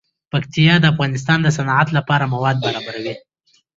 پکتیا د افغانستان د صنعت لپاره مواد برابروي.